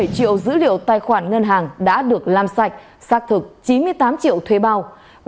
một mươi triệu dữ liệu tài khoản ngân hàng đã được làm sạch xác thực chín mươi tám triệu thuê bao